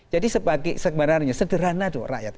jadi sebenarnya sederhana dong rakyat